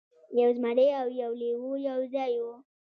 یو زمری او یو لیوه یو ځای وو.